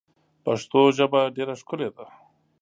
پښتو ژبه ډیر ښکلی ده.